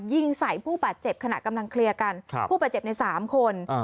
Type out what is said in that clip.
ยิงใส่ผู้บาดเจ็บขณะกำลังเคลียร์กันผู้บาดเจ็บในสามคน